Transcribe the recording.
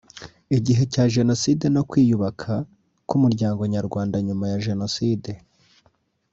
igihe cya jenoside no kwiyubaka k’Umuryango Nyarwanda nyuma ya jenoside